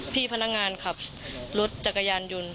พี่พนักงานขับรถจักรยานยนต์